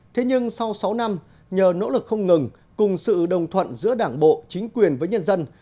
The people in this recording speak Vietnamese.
thế nhưng sau sáu năm nhờ nỗ lực không ngừng cùng sự đồng thuận giữa đảng bộ chính quyền với nhân dân